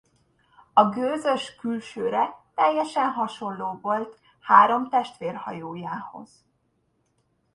A gőzös külsőre teljesen hasonló volt három testvérhajójához.